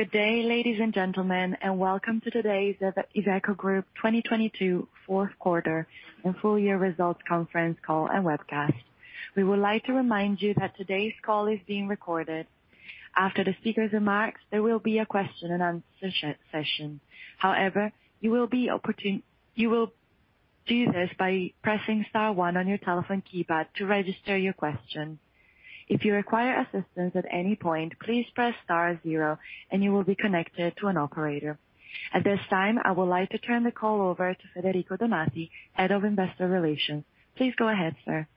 Good day, ladies and gentlemen. And welcome to today's the Iveco Group 2022 fourth quarter and full year results conference call and webcast. We would like to remind you that today's call is being recorded. After the speaker's remarks, there will be a question and answer session. However, you will do this by pressing star one on your telephone keypad to register your question. If you require assistance at any point, please press star zero and you will be connected to an operator. At this time, I would like to turn the call over to Federico Donati, Head of Investor Relations. Please go ahead, sir.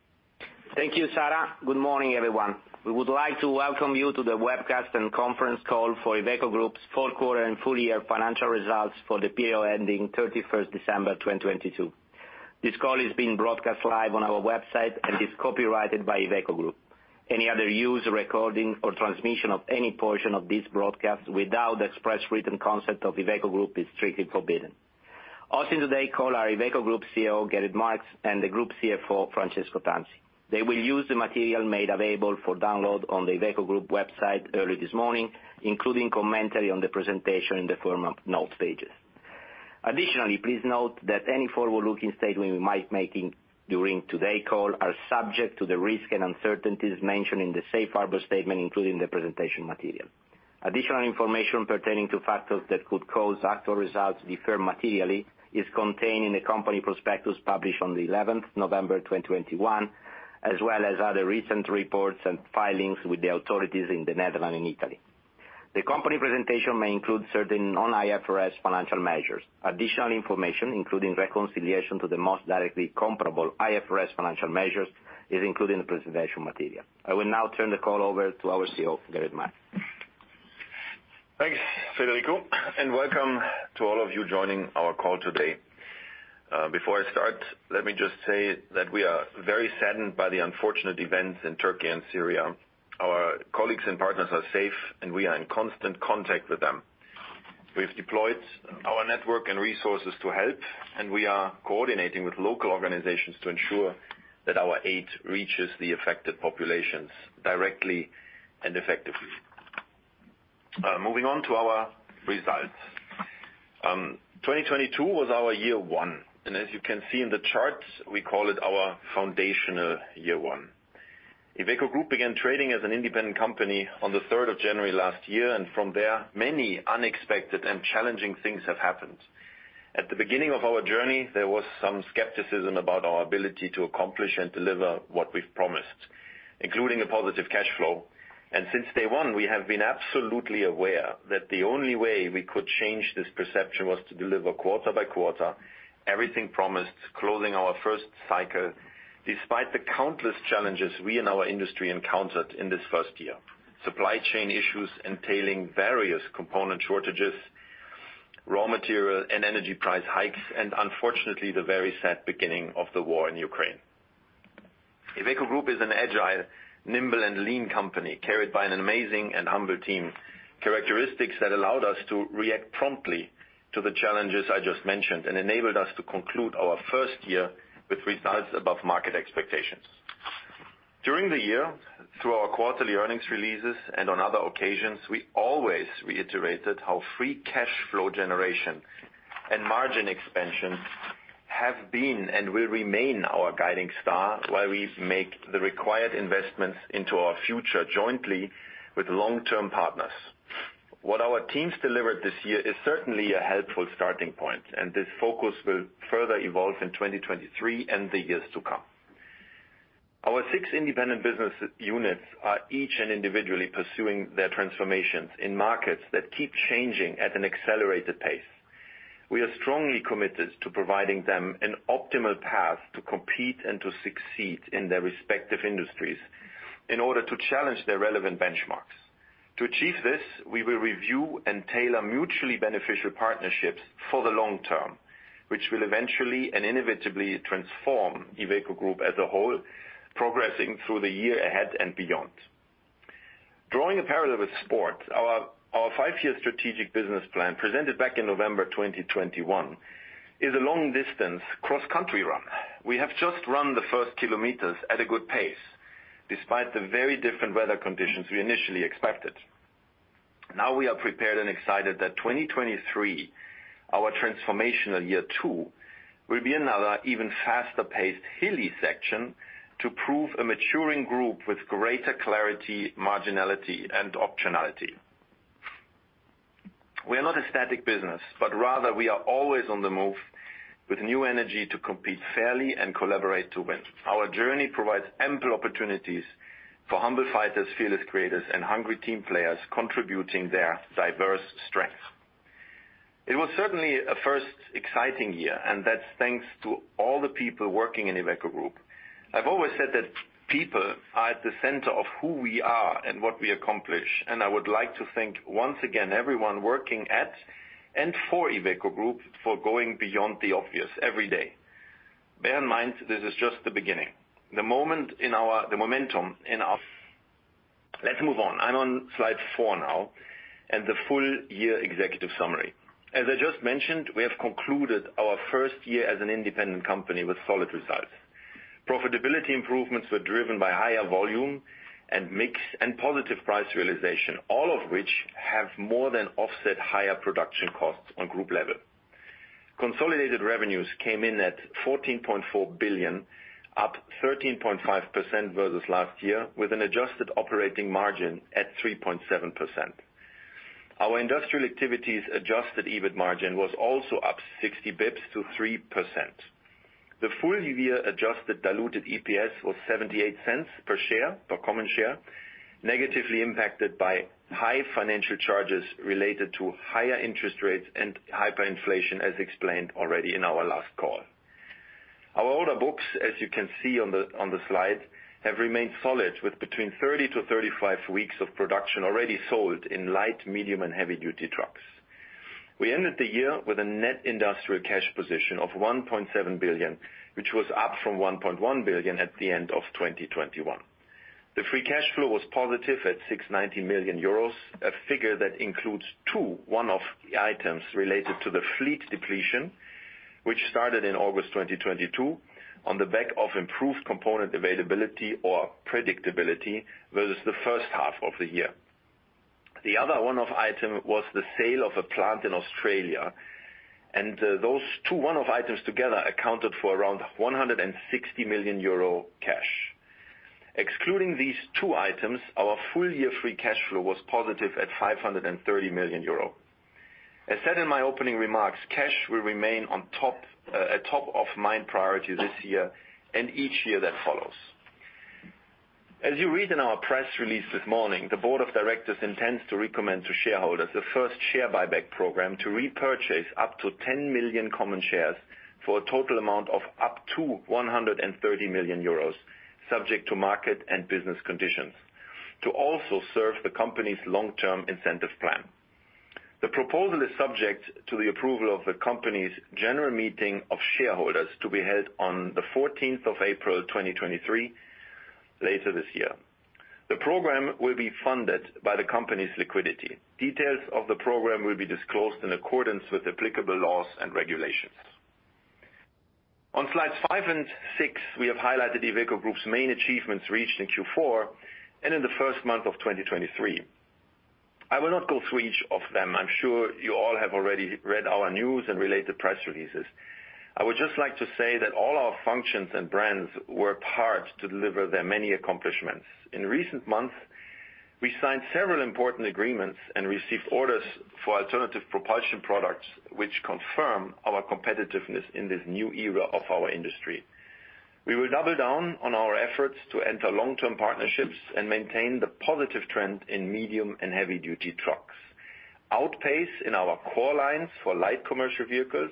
Thank you, Sarah. Good morning, everyone. We would like to welcome you to the webcast and conference call for Iveco Group's fourth quarter and full year financial results for the period ending 31st December 2022. This call is being broadcast live on our website and is copyrighted by Iveco Group. Any other use, recording, or transmission of any portion of this broadcast without the express written consent of Iveco Group is strictly forbidden. Also in today's call are Iveco Group CEO, Gerrit Marx, and the Group CFO, Francesco Tanzi. They will use the material made available for download on the Iveco Group website early this morning, including commentary on the presentation in the form of notes pages. Please note that any forward-looking statement we might making during today call are subject to the risk and uncertainties mentioned in the safe harbor statement, including the presentation material. Additional information pertaining to factors that could cause actual results to differ materially is contained in the company prospectus published on the 11th November 2021, as well as other recent reports and filings with the authorities in the Netherlands and Italy. The company presentation may include certain non-IFRS financial measures. Additional information, including reconciliation to the most directly comparable IFRS financial measures, is included in the presentation material. I will now turn the call over to our CEO, Gerrit Marx. Thanks, Federico. Welcome to all of you joining our call today. Before I start, let me just say that we are very saddened by the unfortunate events in Turkey and Syria. Our colleagues and partners are safe, we are in constant contact with them. We've deployed our network and resources to help, we are coordinating with local organizations to ensure that our aid reaches the affected populations directly and effectively. Moving on to our results. 2022 was our year one, as you can see in the charts, we call it our foundational year one. Iveco Group began trading as an independent company on the 3rd of January last year, from there, many unexpected and challenging things have happened. At the beginning of our journey, there was some skepticism about our ability to accomplish and deliver what we've promised, including a positive cash flow. Since day one, we have been absolutely aware that the only way we could change this perception was to deliver quarter-by-quarter everything promised, closing our first cycle despite the countless challenges we and our industry encountered in this first year. Supply chain issues entailing various component shortages, raw material and energy price hikes, and unfortunately, the very sad beginning of the war in Ukraine. Iveco Group is an agile, nimble, and lean company carried by an amazing and humble team, characteristics that allowed us to react promptly to the challenges I just mentioned and enabled us to conclude our first year with results above market expectations. During the year, through our quarterly earnings releases and on other occasions, we always reiterated how free cash flow generation and margin expansion have been and will remain our guiding star while we make the required investments into our future jointly with long-term partners. What our teams delivered this year is certainly a helpful starting point, and this focus will further evolve in 2023 and the years to come. Our six independent business units are each and individually pursuing their transformations in markets that keep changing at an accelerated pace. We are strongly committed to providing them an optimal path to compete and to succeed in their respective industries in order to challenge their relevant benchmarks. To achieve this, we will review and tailor mutually beneficial partnerships for the long term, which will eventually and inevitably transform Iveco Group as a whole, progressing through the year ahead and beyond. Drawing a parallel with sports, our five-year strategic business plan, presented back in November 2021, is a long-distance cross-country run. We have just run the first kilometers at a good pace despite the very different weather conditions we initially expected. Now we are prepared and excited that 2023, our transformational year two, will be another even faster-paced hilly section to prove a maturing group with greater clarity, marginality, and optionality. Rather, we are always on the move with new energy to compete fairly and collaborate to win. Our journey provides ample opportunities for humble fighters, fearless creators, and hungry team players contributing their diverse strengths. It was certainly a first exciting year, and that's thanks to all the people working in Iveco Group. I've always said that people are at the center of who we are and what we accomplish. I would like to thank, once again, everyone working at and for Iveco Group for going beyond the obvious every day. Bear in mind, this is just the beginning, the momentum in our... Let's move on. I'm on slide four now. The full year executive summary. As I just mentioned, we have concluded our first year as an independent company with solid results. Profitability improvements were driven by higher volume and mix and positive price realization, all of which have more than offset higher production costs on group level. Consolidated revenues came in at 14.4 billion, up 13.5% versus last year, with an adjusted operating margin at 3.7%. Our industrial activities adjusted EBIT margin was also up 60 basis points to 3%. The full year adjusted diluted EPS was 0.78 per share, per common share, negatively impacted by high financial charges related to higher interest rates and hyperinflation, as explained already in our last call. Our order books, as you can see on the slide, have remained solid with between 30-35 weeks of production already sold in Light, Medium and Heavy-Duty trucks. We ended the year with a net industrial cash position of 1.7 billion, which was up from 1.1 billion at the end of 2021. The free cash flow was positive at 690 million euros, a figure that includes two one-off items related to the fleet depletion, which started in August 2022, on the back of improved component availability or predictability versus the first half of the year. The other one-off item was the sale of a plant in Australia, and those two one-off items together accounted for around 160 million euro cash. Excluding these two items, our full year free cash flow was positive at 530 million euro. As said in my opening remarks, cash will remain on top, a top of mind priority this year and each year that follows. As you read in our press release this morning, the board of directors intends to recommend to shareholders a first share buyback program to repurchase up to 10 million common shares for a total amount of up to 130 million euros, subject to market and business conditions, to also serve the company's long-term incentive plan. The proposal is subject to the approval of the company's general meeting of shareholders to be held on April 14th, 2023, later this year. The program will be funded by the company's liquidity. Details of the program will be disclosed in accordance with applicable laws and regulations. On slides five and six, we have highlighted Iveco Group's main achievements reached in Q4 and in the first month of 2023. I will not go through each of them. I'm sure you all have already read our news and related press releases. I would just like to say that all our functions and brands work hard to deliver their many accomplishments. In recent months, we signed several important agreements and received orders for alternative propulsion products, which confirm our competitiveness in this new era of our industry. We will double down on our efforts to enter long-term partnerships and maintain the positive trend in Medium and Heavy-Duty trucks, outpace in our core lines for Light commercial vehicles,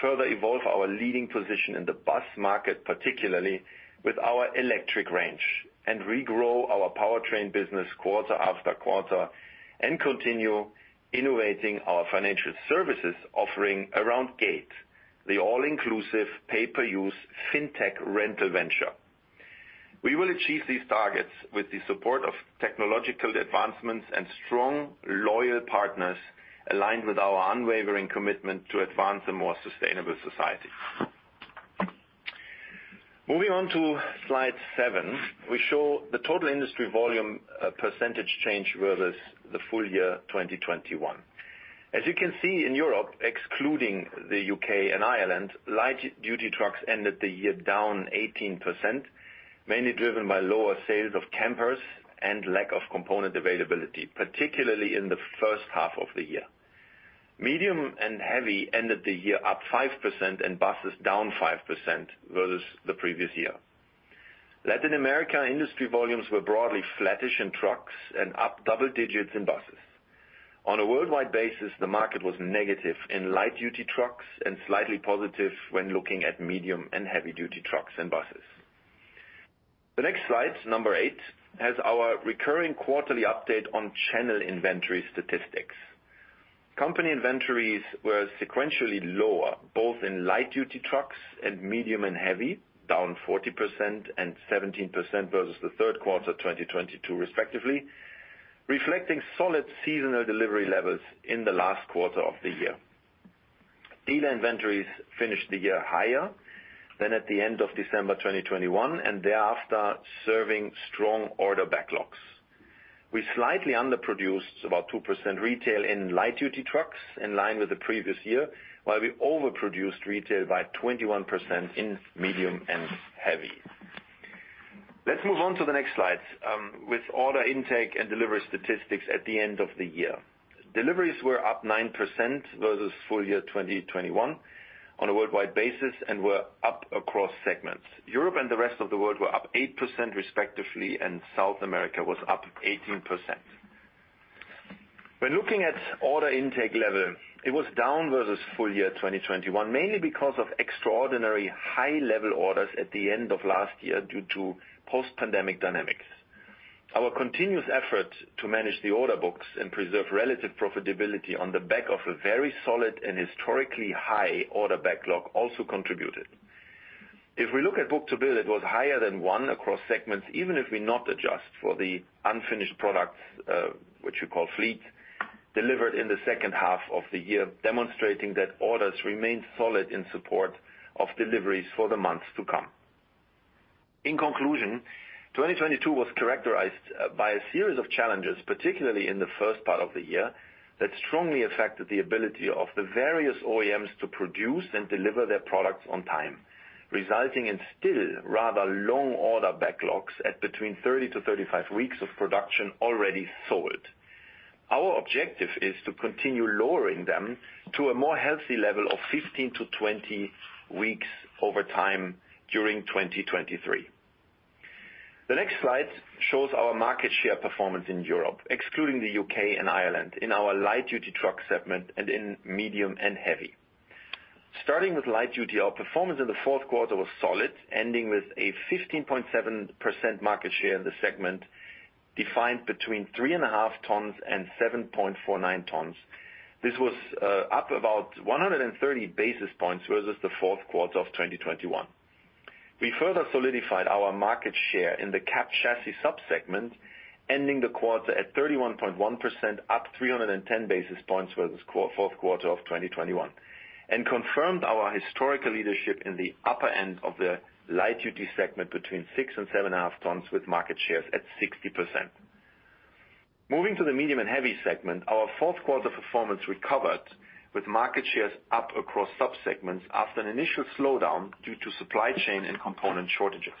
further evolve our leading position in the bus market, particularly with our electric range, and regrow our Powertrain business quarter after quarter, and continue innovating our financial services offering around GATE, the all-inclusive pay-per-use fintech rental venture. We will achieve these targets with the support of technological advancements and strong, loyal partners aligned with our unwavering commitment to advance a more sustainable society. Moving on to slide seven, we show the total industry volume, percentage change versus the full year 2021. As you can see in Europe, excluding the U.K. and Ireland, Light-Duty Trucks ended the year down 18%, mainly driven by lower sales of campers and lack of component availability, particularly in the first half of the year. Medium and Heavy ended the year up 5%, and buses down 5% versus the previous year. Latin America industry volumes were broadly flattish in trucks and up double digits in buses. On a worldwide basis, the market was negative in Light-Duty Trucks and slightly positive when looking at Medium and Heavy-Duty Trucks and Buses. The next slide, number eight, has our recurring quarterly update on channel inventory statistics. Company inventories were sequentially lower, both in Light-Duty Trucks and Medium and Heavy, down 40% and 17% versus the third quarter 2022 respectively, reflecting solid seasonal delivery levels in the last quarter of the year. Dealer inventories finished the year higher than at the end of December 2021 and thereafter, serving strong order backlogs. We slightly underproduced about 2% retail in Light-Duty Trucks in line with the previous year, while we overproduced retail by 21% in Medium and Heavy. Let's move on to the next slide with order intake and delivery statistics at the end of the year. Deliveries were up 9% versus full year 2021 on a worldwide basis and were up across segments. Europe and the rest of the world were up 8%, respectively. South America was up 18%. When looking at order intake level, it was down versus full year 2021, mainly because of extraordinary high level orders at the end of last year due to post-pandemic dynamics. Our continuous effort to manage the order books and preserve relative profitability on the back of a very solid and historically high order backlog also contributed. We look at book-to-bill, it was higher than 1x across segments, even if we not adjust for the unfinished products, which we call fleet. Delivered in the second half of the year, demonstrating that orders remain solid in support of deliveries for the months to come. In conclusion, 2022 was characterized by a series of challenges, particularly in the first part of the year, that strongly affected the ability of the various OEMs to produce and deliver their products on time, resulting in still rather long order backlogs at between 30-35 weeks of production already sold. Our objective is to continue lowering them to a more healthy level of 15-20 weeks over time during 2023. The next slide shows our market share performance in Europe, excluding the U.K. and Ireland, in our Light-Duty Truck segment and in Medium and Heavy. Starting with Light-Duty, our performance in the Q4 was solid, ending with a 15.7% market share in the segment defined between 3.5 tons and 7.49 tons. This was up about 130 basis points versus the fourth quarter of 2021. We further solidified our market share in the cap chassis sub-segment, ending the quarter at 31.1%, up 310 basis points versus fourth quarter of 2021, confirmed our historical leadership in the upper end of the Light-Duty segment between 6 tons and 7.5 tons, with market shares at 60%. Moving to the Medium and Heavy segment, our fourth quarter performance recovered with market shares up across sub-segments after an initial slowdown due to supply chain and component shortages.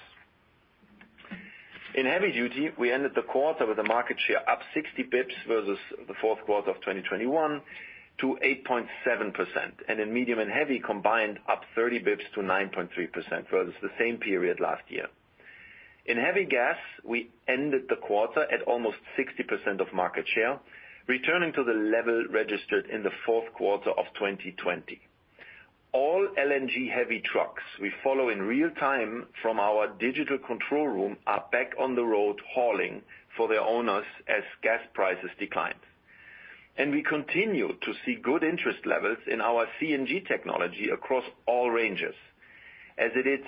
In Heavy-Duty, we ended the quarter with a market share up 60 basis points versus the fourth quarter of 2021 to 8.7%, and in Medium and Heavy combined up 30 basis points to 9.3% versus the same period last year. In heavy gas, we ended the quarter at almost 60% of market share, returning to the level registered in the fourth quarter of 2020. All LNG heavy trucks we follow in real time from our digital control room are back on the road hauling for their owners as gas prices decline. We continue to see good interest levels in our CNG technology across all ranges, as its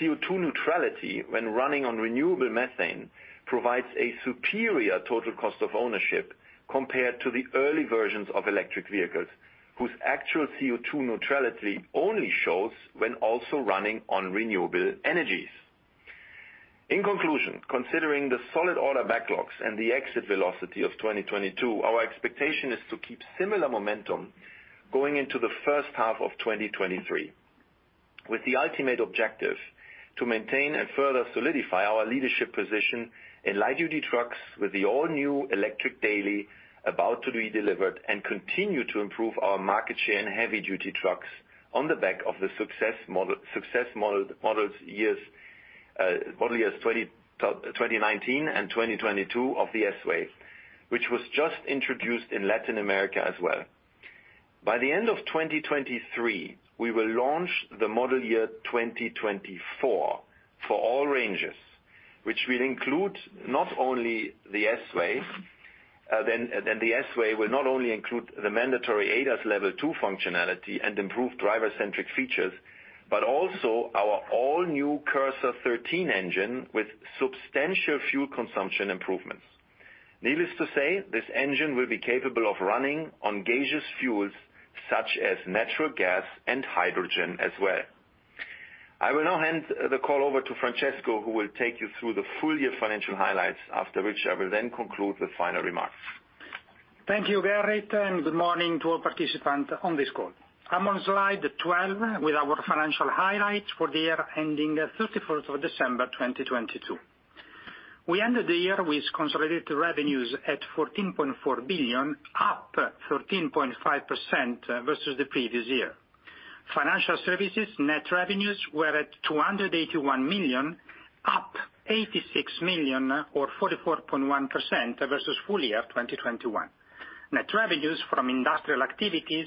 CO₂ neutrality when running on renewable methane provides a superior total cost of ownership compared to the early versions of electric vehicles, whose actual CO₂ neutrality only shows when also running on renewable energies. In conclusion, considering the solid order backlogs and the exit velocity of 2022, our expectation is to keep similar momentum going into the first half of 2023, with the ultimate objective to maintain and further solidify our leadership position in Light-Duty Trucks with the all-new electric Daily about to be delivered and continue to improve our market share in Heavy-Duty trucks on the back of the success model years 2019 and 2022 of the S-Way, which was just introduced in Latin America as well. By the end of 2023, we will launch the Model Year 2024 for all ranges, which will include not only the S-Way, then the S-Way will not only include the mandatory ADAS Level 2 functionality and improved driver-centric features, but also our all-new Cursor 13 engine with substantial fuel consumption improvements. Needless to say, this engine will be capable of running on gaseous fuels such as natural gas and hydrogen as well. I will now hand the call over to Francesco, who will take you through the full year financial highlights, after which I will then conclude with final remarks. Thank you, Gerrit. And good morning to all participants on this call. I'm on slide 12 with our financial highlights for the year ending 31st of December, 2022. We ended the year with consolidated revenues at 14.4 billion, up 13.5% versus the previous year. Financial services net revenues were at 281 million, up 86 million or 44.1% versus full year 2021. Net revenues from industrial activities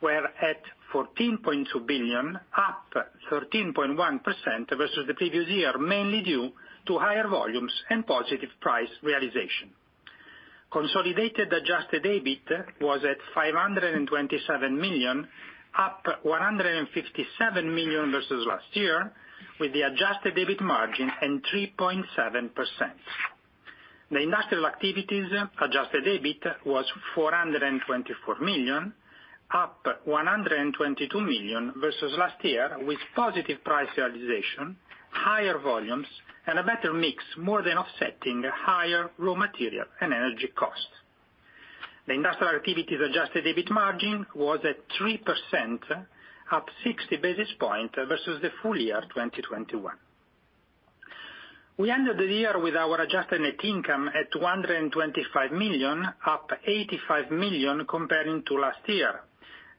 were at 14.2 billion, up 13.1% versus the previous year, mainly due to higher volumes and positive price realization. Consolidated adjusted EBIT was at 527 million, up 157 million versus last year, with the adjusted EBIT margin at 3.7%. The industrial activities adjusted EBIT was 424 million, up 122 million versus last year, with positive price realization, higher volumes, and a better mix, more than offsetting higher raw material and energy costs. The industrial activities adjusted EBIT margin was at 3%, up 60 basis points versus the full year of 2021. We ended the year with our adjusted net income at 225 million, up 85 million comparing to last year.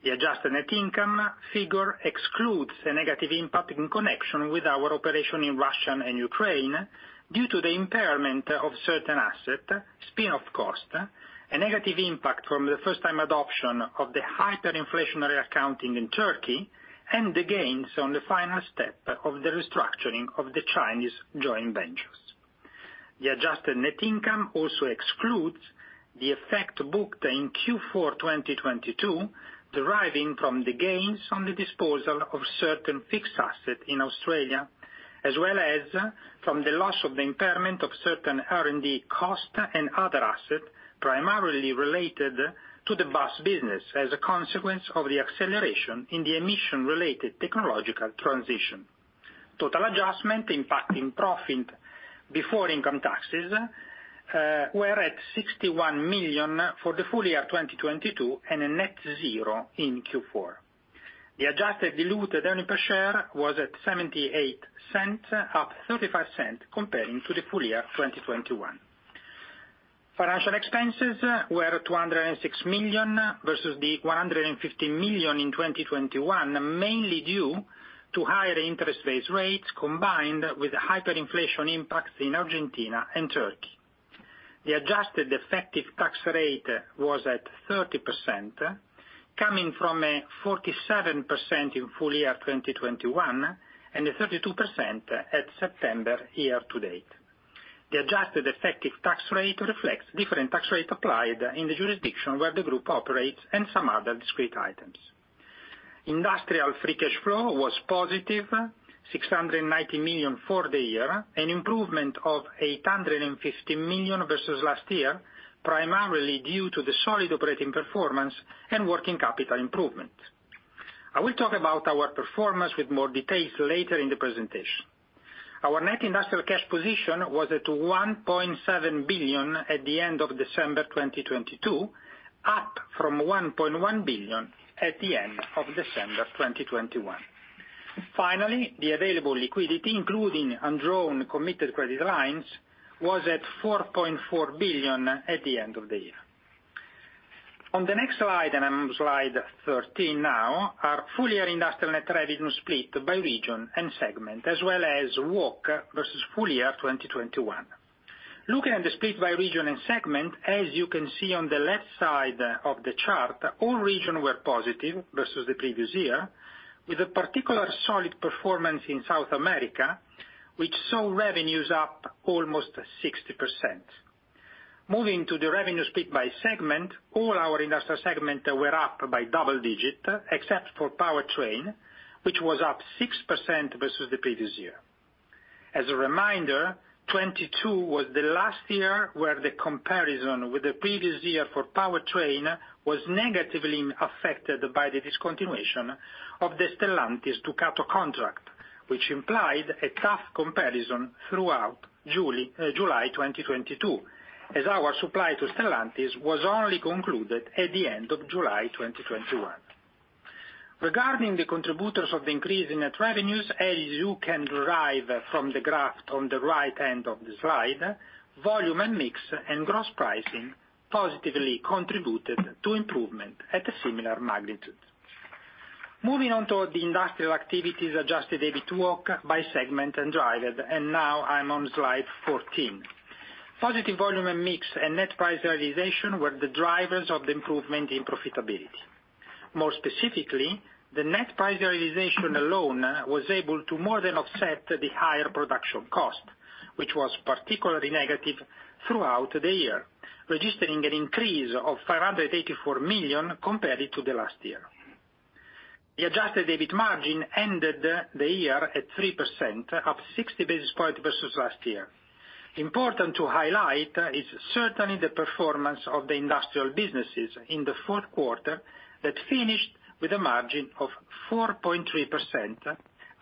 The adjusted net income figure excludes a negative impact in connection with our operation in Russia and Ukraine due to the impairment of certain asset spin-off cost, a negative impact from the first time adoption of the hyperinflationary accounting in Turkey, and the gains on the final step of the restructuring of the Chinese joint ventures. The adjusted net income also excludes the effect booked in Q4 2022, deriving from the gains on the disposal of certain fixed asset in Australia. As well as from the loss of the impairment of certain R&D costs and other assets, primarily related to the bus business as a consequence of the acceleration in the emission-related technological transition. Total adjustment impacting profit before income taxes were at 61 million for the full year 2022, and a net zero in Q4. The adjusted diluted earnings per share was at 0.78, up 0.35 comparing to the full year 2021. Financial expenses were 206 million versus the 150 million in 2021, mainly due to higher interest-based rates, combined with hyperinflation impacts in Argentina and Turkey. The adjusted effective tax rate was at 30%, coming from a 47% in full year 2021, and a 32% at September year-to-date. The adjusted effective tax rate reflects different tax rate applied in the jurisdiction where the group operates and some other discrete items. Industrial free cash flow was positive, 690 million for the year. An improvement of 850 million versus last year, primarily due to the solid operating performance and working capital improvement. I will talk about our performance with more details later in the presentation. Our net industrial cash position was at 1.7 billion at the end of December 2022, up from 1.1 billion at the end of December 2021. Finally, the available liquidity, including undrawn committed credit lines, was at 4.4 billion at the end of the year. On the next slide, and I'm on slide 13 now, our full year industrial net revenue split by region and segment, as well as walk versus full year 2021. Looking at the split by region and segment, as you can see on the left side of the chart, all regions were positive versus the previous year, with a particular solid performance in South America, which saw revenues up almost 60%. Moving to the revenue split by segment, all our industrial segments were up by double-digit, except for Powertrain, which was up 6% versus the previous year. As a reminder, 2022 was the last year where the comparison with the previous year for Powertrain was negatively affected by the discontinuation of the Stellantis Ducato contract, which implied a tough comparison throughout July 2022, as our supply to Stellantis was only concluded at the end of July 2021. Regarding the contributors of the increase in net revenues, as you can derive from the graph on the right end of the slide, volume and mix and gross pricing positively contributed to improvement at a similar magnitude. Moving on to the industrial activities adjusted EBIT walk by segment and driver. Now I'm on slide 14. Positive volume and mix and net price realization were the drivers of the improvement in profitability. More specifically, the net price realization alone was able to more than offset the higher production cost, which was particularly negative throughout the year, registering an increase of 584 million compared to the last year. The adjusted EBIT margin ended the year at 3%, up 60 basis points versus last year. Important to highlight is certainly the performance of the industrial businesses in the fourth quarter that finished with a margin of 4.3%,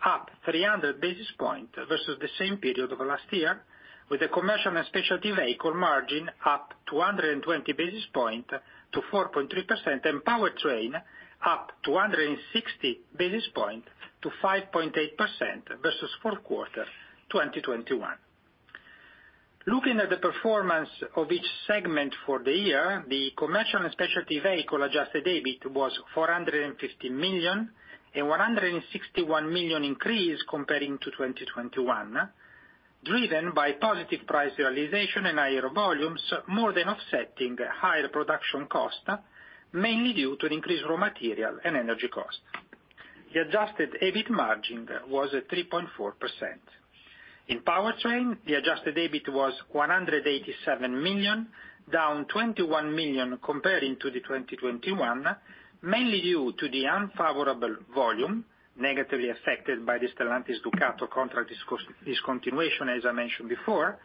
up 300 basis points versus the same period of last year, with the Commercial and Specialty Vehicle margin up 220 basis point to 4.3%, and Powertrain up 260 basis point to 5.8% versus fourth quarter 2021. Looking at the performance of each segment for the year, the Commercial and Specialty Vehicle adjusted EBIT was 450 million, a 161 million increase comparing to 2021, driven by positive price realization and higher volumes, more than offsetting higher production costs, mainly due to an increase raw material and energy costs. The adjusted EBIT margin was at 3.4%. In Powertrain, the adjusted EBIT was 187 million, down 21 million comparing to the 2021, mainly due to the unfavorable volume negatively affected by the Stellantis Ducato contract discontinuation, as I mentioned before,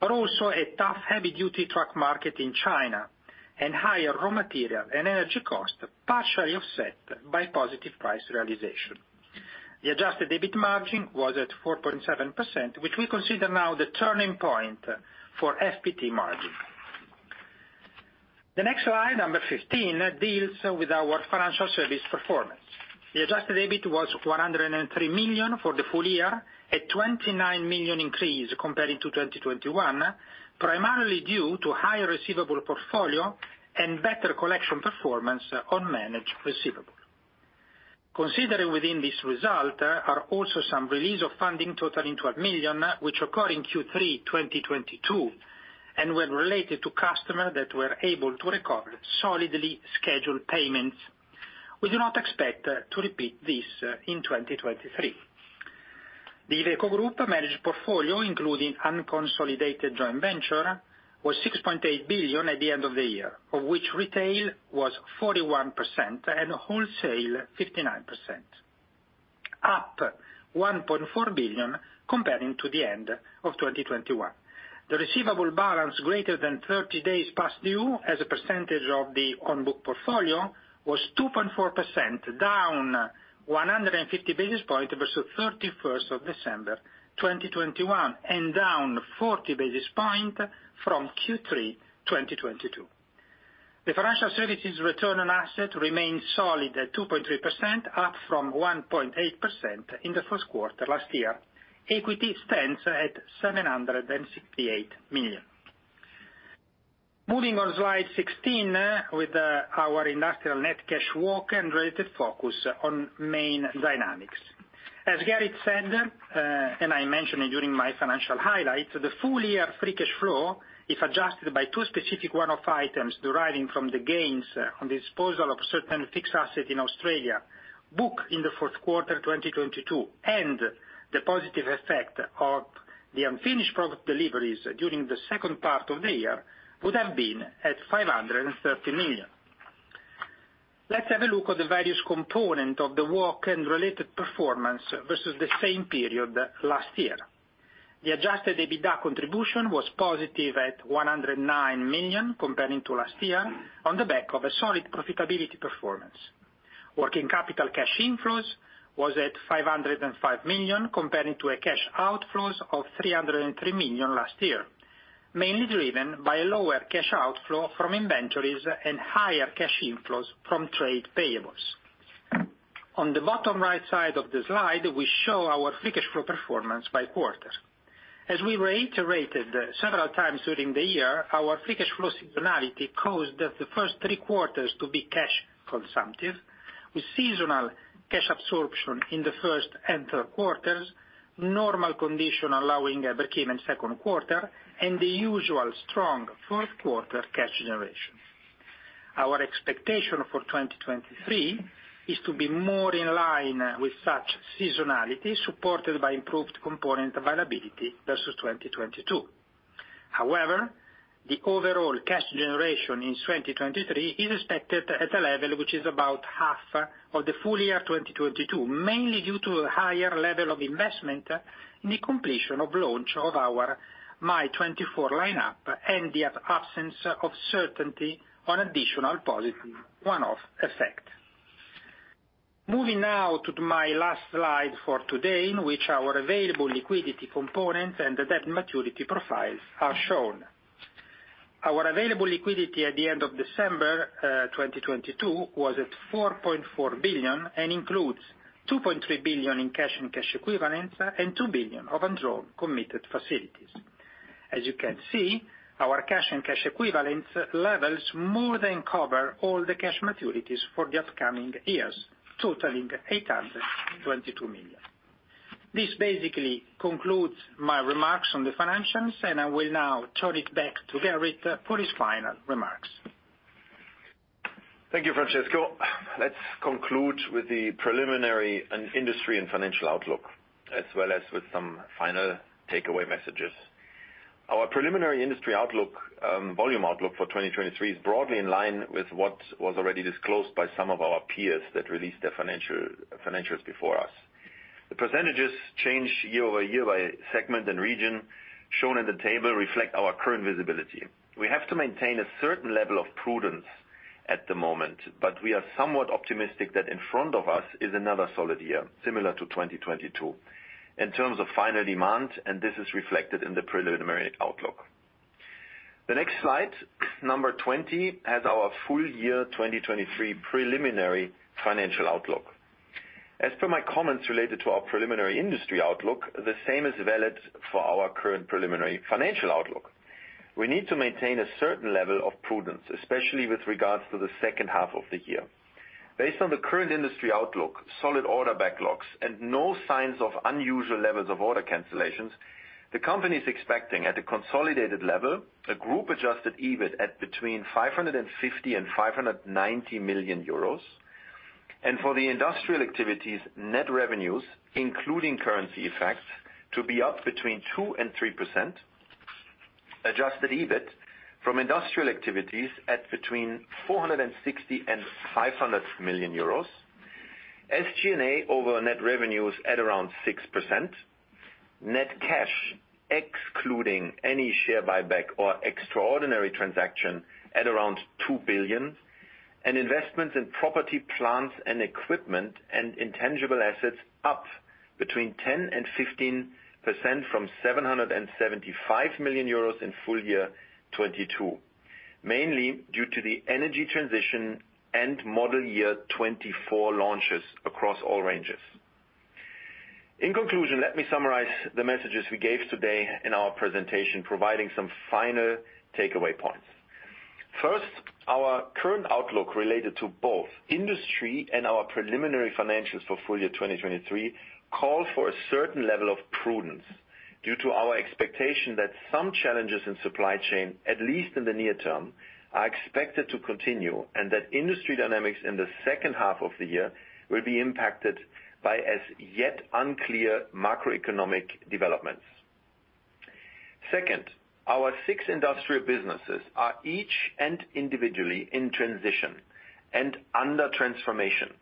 but also a tough Heavy-Duty truck market in China and higher raw material and energy costs, partially offset by positive price realization. The adjusted EBIT margin was at 4.7%, which we consider now the turning point for FPT margin. The next slide, number 15, deals with our financial service performance. The adjusted EBIT was 103 million for the full year, a 29 million increase comparing to 2021, primarily due to higher receivable portfolio and better collection performance on managed receivable. Considered within this result are also some release of funding totaling 12 million, which occurred in Q3 2022 and were related to customers that were able to recover solidly scheduled payments. We do not expect to repeat this in 2023. The Iveco Group managed portfolio, including unconsolidated joint venture, was 6.8 billion at the end of the year, of which retail was 41% and wholesale 59%, up 1.4 billion comparing to the end of 2021. The receivable balance greater than 30 days past due as a percentage of the on-book portfolio was 2.4%, down 150 basis points versus 31st December 2021, and down 40 basis points from Q3 2022. The financial services return on asset remained solid at 2.3%, up from 1.8% in the first quarter last year. Equity stands at 768 million. Moving on slide 16, with our industrial net cash walk and related focus on main dynamics. Gerrit said, and I mentioned it during my financial highlight, the full year free cash flow, if adjusted by two specific one-off items deriving from the gains on the disposal of certain fixed asset in Australia, booked in the fourth quarter, 2022, and the positive effect of the unfinished product deliveries during the second part of the year, would have been at 530 million. Let's have a look at the various component of the walk and related performance versus the same period last year. The adjusted EBITDA contribution was positive at 109 million comparing to last year on the back of a solid profitability performance. Working capital cash inflows was at 505 million comparing to a cash outflows of 303 million last year, mainly driven by lower cash outflow from inventories and higher cash inflows from trade payables. On the bottom right side of the slide, we show our free cash flow performance by quarter. As we reiterated several times during the year, our free cash flow seasonality caused the first three quarters to be cash consumptive, with seasonal cash absorption in the first and third quarters, normal condition allowing a break even second quarter, and the usual strong fourth quarter cash generation. Our expectation for 2023 is to be more in line with such seasonality, supported by improved component availability versus 2022. However, the overall cash generation in 2023 is expected at a level which is about half of the full year, 2022. Mainly due to a higher level of investment in the completion of launch of our MY24 lineup and the absence of certainty on additional positive one-off effect. Moving now to my last slide for today, in which our available liquidity components and the debt maturity profiles are shown. Our available liquidity at the end of December 2022 was at 4.4 billion and includes 2.3 billion in cash and cash equivalents and 2 billion of undrawn committed facilities. As you can see, our cash and cash equivalents levels more than cover all the cash maturities for the upcoming years, totaling 822 million. This basically concludes my remarks on the financials, and I will now turn it back to Gerrit for his final remarks. Thank you, Francesco. Let's conclude with the preliminary and industry and financial outlook, as well as with some final takeaway messages. Our preliminary industry outlook, volume outlook for 2023 is broadly in line with what was already disclosed by some of our peers that released their financials before us. The percentages change year-over-year by segment and region shown in the table reflect our current visibility. We have to maintain a certain level of prudence at the moment, but we are somewhat optimistic that in front of us is another solid year, similar to 2022 in terms of final demand, and this is reflected in the preliminary outlook. The next slide, 20, has our full year 2023 preliminary financial outlook. As per my comments related to our preliminary industry outlook, the same is valid for our current preliminary financial outlook. We need to maintain a certain level of prudence, especially with regards to the second half of the year. Based on the current industry outlook, solid order backlogs and no signs of unusual levels of order cancellations, the company is expecting, at a consolidated level, a group-adjusted EBIT at between 550 million and 590 million euros. For the industrial activities, net revenues, including currency effects, to be up between 2% and 3%. Adjusted EBIT from industrial activities at between 460 million and 500 million euros. SG&A over net revenues at around 6%. Net cash, excluding any share buyback or extraordinary transaction, at around 2 billion. Investments in property, plants and equipment and intangible assets up between 10% and 15% from 775 million euros in full year 2022. Mainly due to the energy transition and Model Year 2024 launches across all ranges. In conclusion, let me summarize the messages we gave today in our presentation, providing some final takeaway points. First, our current outlook related to both industry and our preliminary financials for full year 2023 call for a certain level of prudence due to our expectation that some challenges in supply chain, at least in the near term, are expected to continue, and that industry dynamics in the second half of the year will be impacted by as yet unclear macroeconomic developments. Second, our six industrial businesses are each and individually in transition and under transformation,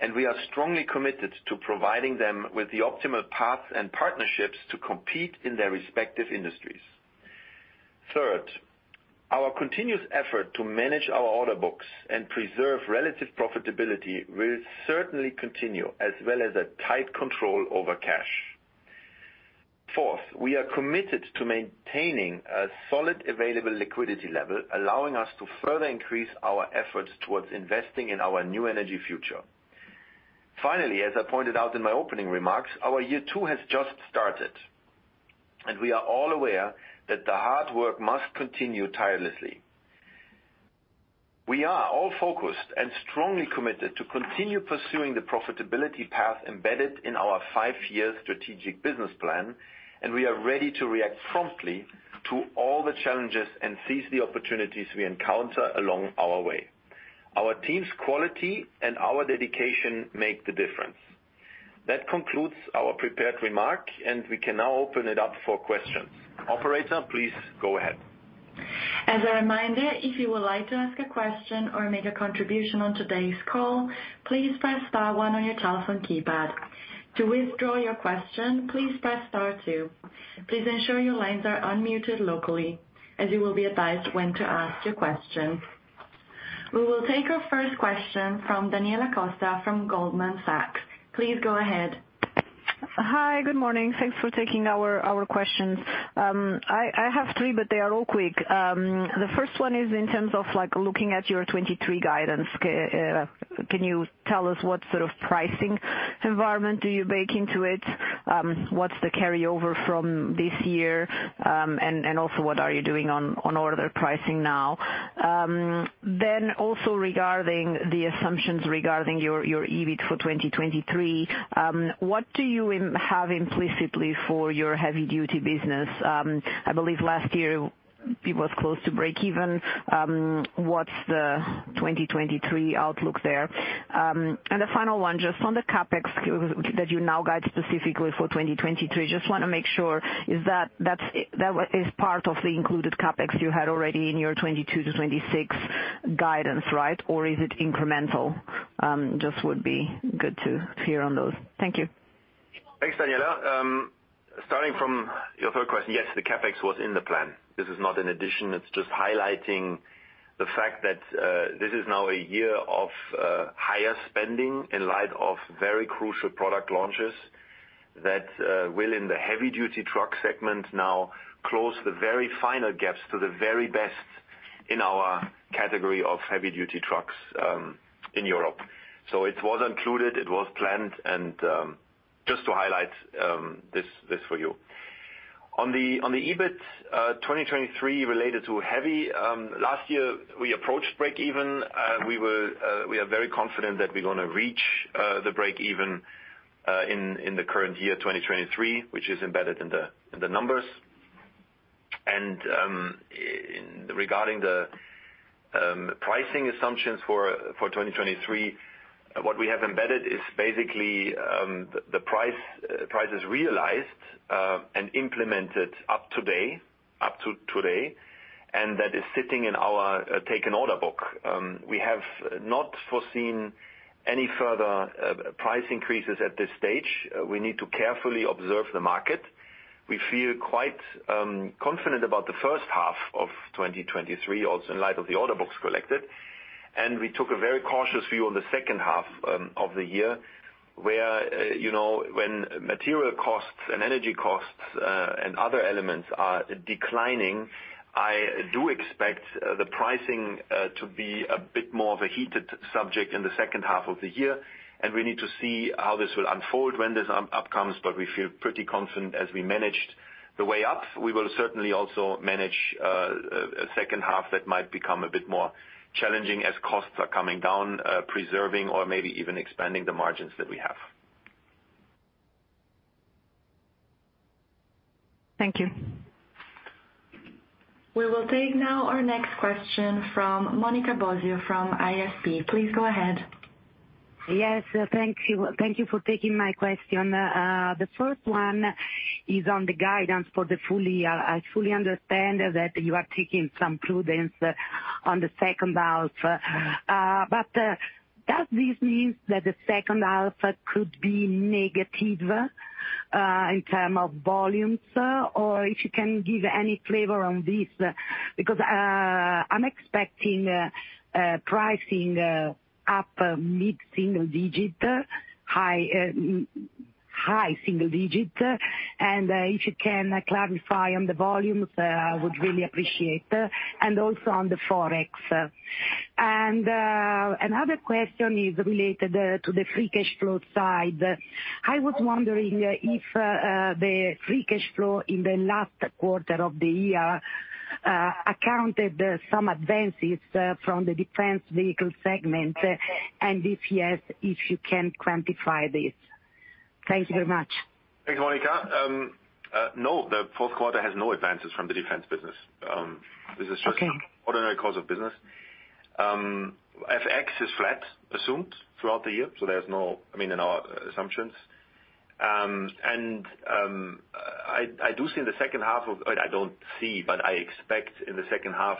and we are strongly committed to providing them with the optimal path and partnerships to compete in their respective industries. Third, our continuous effort to manage our order books and preserve relative profitability will certainly continue, as well as a tight control over cash. Fourth, we are committed to maintaining a solid available liquidity level, allowing us to further increase our efforts towards investing in our new energy future. Finally, as I pointed out in my opening remarks, our year two has just started, and we are all aware that the hard work must continue tirelessly. We are all focused and strongly committed to continue pursuing the profitability path embedded in our five-year strategic business plan, and we are ready to react promptly to all the challenges and seize the opportunities we encounter along our way. Our team's quality and our dedication make the difference. That concludes our prepared remark, and we can now open it up for questions. Operator, please go ahead. As a reminder, if you would like to ask a question or make a contribution on today's call, please press star one on your telephone keypad. To withdraw your question, please press star two. Please ensure your lines are unmuted locally as you will be advised when to ask your question. We will take our first question from Daniela Costa from Goldman Sachs. Please go ahead. Hi. Good morning. Thanks for taking our questions. I have three, but they are all quick. The first one is in terms of, like, looking at your 2023 guidance. Can you tell us what sort of pricing environment do you bake into it? What's the carryover from this year? Also what are you doing on order pricing now? Also regarding the assumptions regarding your EBIT for 2023, what do you have implicitly for your Heavy-Duty business? I believe last year it was close to breakeven. What's the 2023 outlook there? The final one, just on the CapEx that you now guide specifically for 2023. Just wanna make sure is that is part of the included CapEx you had already in your 2022-2026 guidance, right? Is it incremental? Just would be good to hear on those. Thank you. Thanks, Daniela. Starting from your third question. Yes, the CapEx was in the plan. This is not an addition. It's just highlighting the fact that this is now a year of higher spending in light of very crucial product launches that will in the Heavy-Duty Truck segment now close the very final gaps to the very best in our category of Heavy-Duty trucks in Europe. It was included, it was planned, and just to highlight this for you. On the EBIT 2023 related to Heavy, last year we approached breakeven. We are very confident that we're gonna reach the breakeven in the current year, 2023, which is embedded in the numbers. In regarding the pricing assumptions for 2023, what we have embedded is the price is realized and implemented up to today, and that is sitting in our taken order book. We have not foreseen any further price increases at this stage. We need to carefully observe the market. We feel quite confident about the first half of 2023, also in light of the order books collected. We took a very cautious view on the second half of the year where, you know, when material costs and energy costs and other elements are declining, I do expect the pricing to be a bit more of a heated subject in the second half of the year. We need to see how this will unfold when this up comes. We feel pretty confident as we managed the way up. We will certainly also manage a second half that might become a bit more challenging as costs are coming down, preserving or maybe even expanding the margins that we have. Thank you. We will take now our next question from Monica Bosio from ISP. Please go ahead. Yes. Thank you. Thank you for taking my question. The first one is on the guidance for the full year. I fully understand that you are taking some prudence on the second half. Does this mean that the second half could be negative in terms of volumes? If you can give any flavor on this, because I'm expecting pricing up mid-single-digit, high-single-digit. If you can clarify on the volumes, I would really appreciate. Also on the Forex. Another question is related to the free cash flow side. I was wondering if the free cash flow in the last quarter of the year accounted some advances from the defense vehicle segment. If yes, if you can quantify this. Thank you very much. Thanks, Monica. no, the fourth quarter has no advances from the defense vehicle. This is just ordinary course of business. FX is flat assumed throughout the year, so there's no. I mean, in our assumptions. I don't see, but I expect in the second half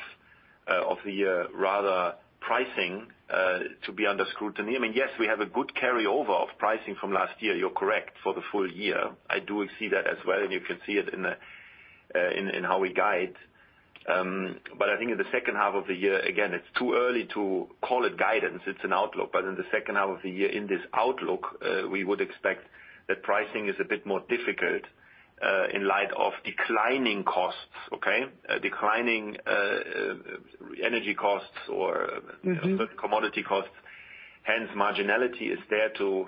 of the year rather pricing to be under scrutiny. I mean, yes, we have a good carryover of pricing from last year, you're correct, for the full year. I do see that as well, and you can see it in how we guide. I think in the second half of the year, again, it's too early to call it guidance. It's an outlook. In the second half of the year in this outlook, we would expect that pricing is a bit more difficult in light of declining costs, okay. Declining energy costs. Mm-hmm. Or commodity costs. Hence, marginality is there to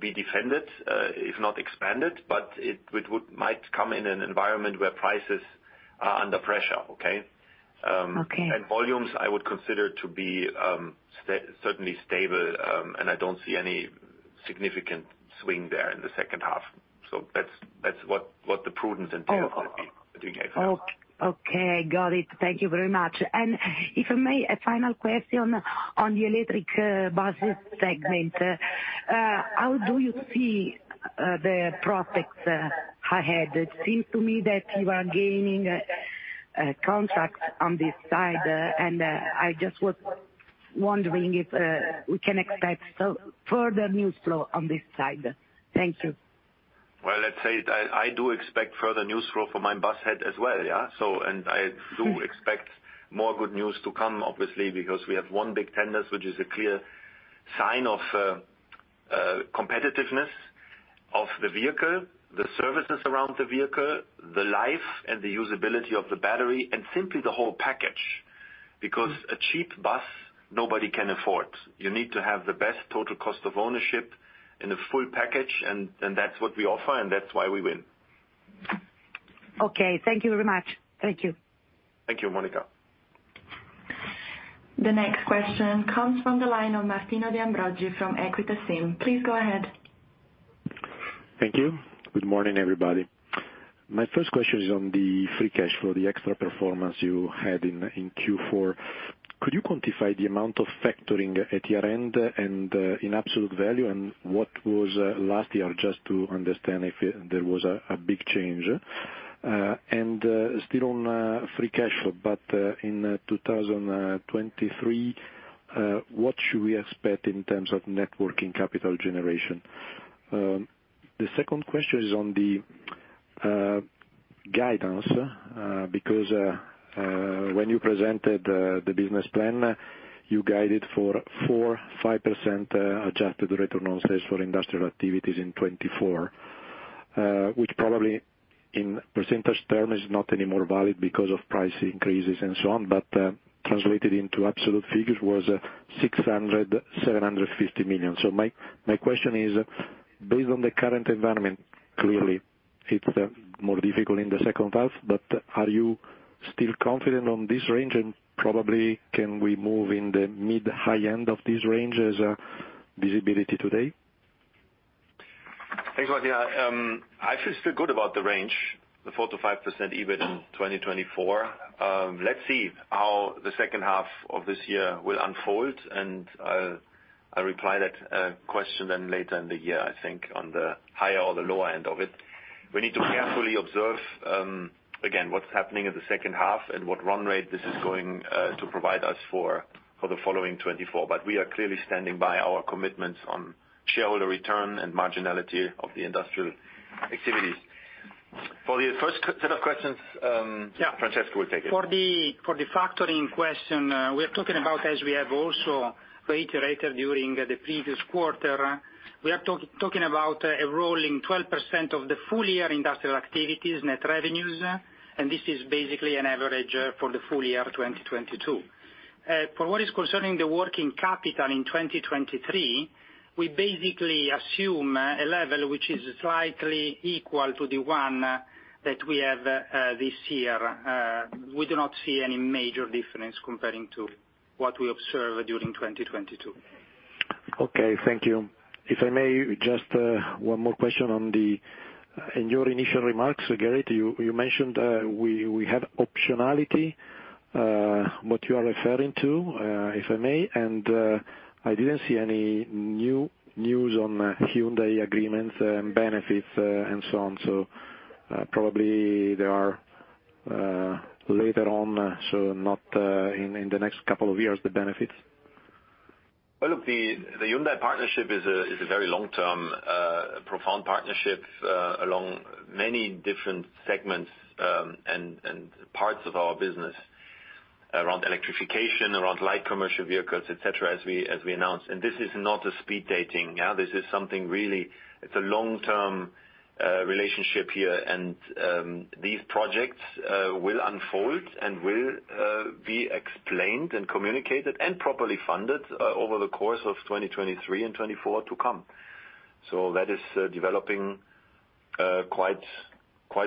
be defended, if not expanded, but it would, might come in an environment where prices are under pressure, okay? Okay. Volumes I would consider to be, certainly stable, and I don't see any significant swing there in the second half. That's, that's what the prudent and fair would be between FX. Okay. Got it. Thank you very much. If I may, a final question on the electric buses segment. How do you see the prospects ahead? It seems to me that you are gaining contracts on this side. I just was wondering if we can expect some further news flow on this side. Thank you. Let's say I do expect further news flow for [main Bus] as well, yeah. And I do expect more good news to come, obviously, because we have won big tenders, which is a clear sign of competitiveness of the vehicle, the services around the vehicle, the life and the usability of the battery, and simply the whole package. A cheap bus, nobody can afford. You need to have the best total cost of ownership in a full package, and that's what we offer, and that's why we win. Okay. Thank you very much. Thank you. Thank you, Monica. The next question comes from the line of Martino De Ambroggi from Equita SIM. Please go ahead. Thank you. Good morning, everybody. My first question is on the free cash flow, the extra performance you had in Q4. Could you quantify the amount of factoring at your end and in absolute value and what was last year, just to understand if there was a big change? Still on free cash flow, but in 2023, what should we expect in terms of net working capital generation? The second question is on the guidance, because when you presented the business plan, you guided for 4%-5% adjusted return on sales for industrial activities in 2024, which probably in percentage term is not anymore valid because of price increases and so on, but translated into absolute figures was 600 million-750 million. My question is, based on the current environment, clearly it's more difficult in the second half, but are you still confident on this range? Probably can we move in the mid-high end of this range as visibility today? Thanks, Martino. I feel still good about the range, the 4%-5% EBIT in 2024. Let's see how the second half of this year will unfold, and I'll reply that question then later in the year, I think, on the higher or the lower end of it. We need to carefully observe again, what's happening in the second half and what run rate this is going to provide us for the following 2024. We are clearly standing by our commitments on shareholder return and marginality of the industrial activities. For the first set of questions, Yeah. Francesco will take it. For the factoring question, we're talking about, as we have also reiterated during the previous quarter, we are talking about enrolling 12% of the full year industrial activities net revenues, and this is basically an average for the full year 2022. For what is concerning the working capital in 2023, we basically assume a level which is slightly equal to the one that we have this year. We do not see any major difference comparing to what we observe during 2022. Okay. Thank you. If I may, just one more question. In your initial remarks, Gerrit, you mentioned we have optionality. What you are referring to, if I may, and I didn't see any new news on Hyundai agreements and benefits, and so on? Probably they are later on, so not in the next couple of years, the benefits? Look, the Hyundai partnership is a very long-term, profound partnership along many different segments and parts of our business around electrification, around Light commercial vehicles, et cetera, as we announced. This is not a speed dating, yeah. This is something really, it's a long-term relationship here. These projects will unfold and will be explained and communicated and properly funded over the course of 2023 and 2024 to come. That is developing quite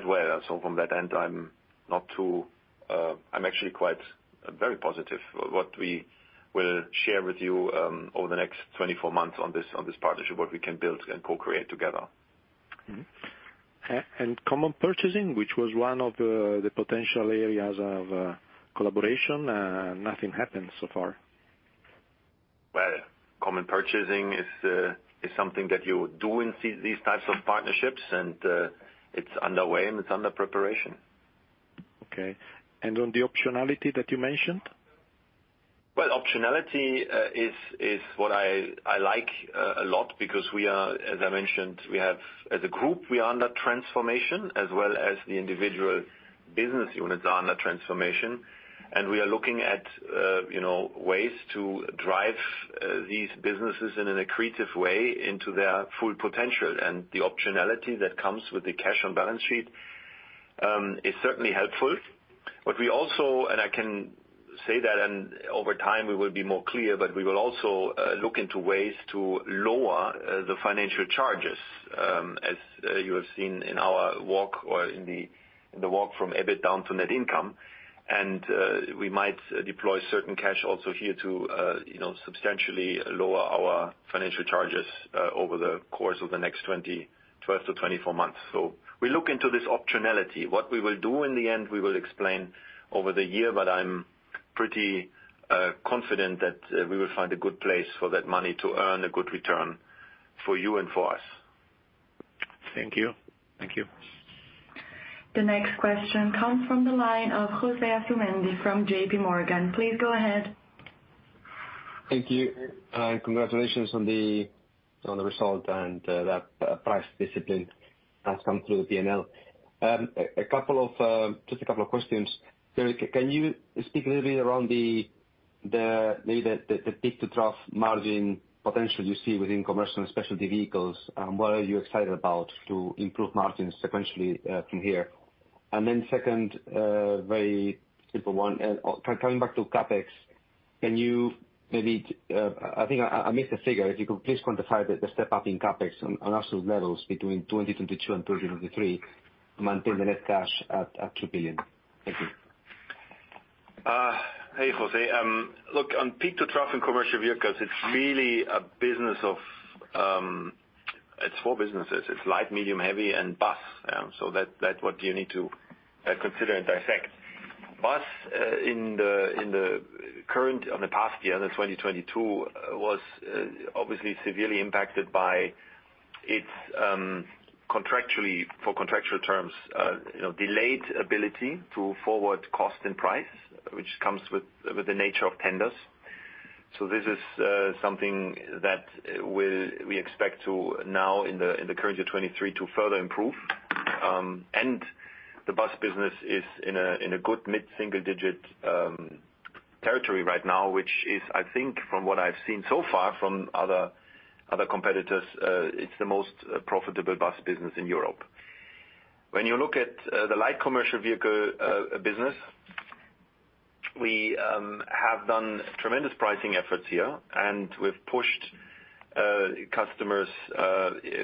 well. From that end, I'm actually quite very positive what we will share with you over the next 24 months on this partnership, what we can build and co-create together. Common purchasing, which was one of the potential areas of collaboration, nothing happened so far. Common purchasing is something that you do in these types of partnerships, and, it's underway and it's under preparation. Okay. On the optionality that you mentioned? Well, optionality is what I like a lot because we are, as I mentioned, as a group, we are under transformation as well as the individual business units are under transformation. We are looking at, you know, ways to drive these businesses in an accretive way into their full potential. The optionality that comes with the cash on balance sheet is certainly helpful. I can say that, over time we will be more clear, we will also look into ways to lower the financial charges, as you have seen in our walk or in the walk from EBIT down to net income. We might deploy certain cash also here to, you know, substantially lower our financial charges over the course of the next 12-24 months. We look into this optionality. What we will do in the end, we will explain over the year, but I'm pretty confident that we will find a good place for that money to earn a good return for you and for us. Thank you. Thank you. The next question comes from the line of Jose Asumendi from JPMorgan. Please go ahead. Thank you, congratulations on the result and that price discipline that's come through the P&L. A couple of questions. Gerrit, can you speak a little bit around the maybe the peak-to-trough margin potential you see within Commercial and Specialty Vehicles? What are you excited about to improve margins sequentially from here? Second, very simple one. Coming back to CapEx, can you maybe I missed the figure. If you could please quantify the step up in CapEx on absolute levels between 2022 and 2023 to maintain the net cash at 2 billion. Thank you. Hey, Jose. Look, on peak to trough in commercial vehicles, it's really a business of... It's four businesses. It's Light, Medium, Heavy and Bus. That, that's what you need to consider and dissect. Bus, in the, in the current, on the past year, the 2022, was obviously severely impacted by its contractually, for contractual terms, you know, delayed ability to forward cost and price, which comes with the nature of tenders. This is something that we expect to now in the, in the current year 2023 to further improve. The Bus business is in a, in a good mid-single-digit territory right now, which is, I think from what I've seen so far from other competitors, it's the most profitable Bus business in Europe. When you look at the Light commercial vehicle business, we have done tremendous pricing efforts here, and we've pushed customers,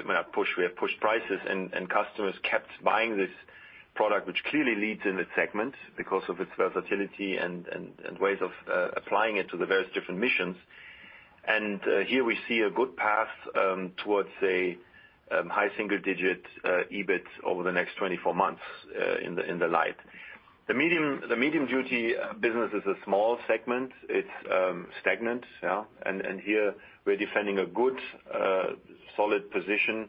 when I push, we have pushed prices, and customers kept buying this product which clearly leads in the segment because of its versatility and ways of applying it to the various different missions. Here we see a good path towards a high-single-digit EBIT over the next 24 months in the Light. The Medium-Duty business is a small segment. It's stagnant, yeah. Here we're defending a good solid position,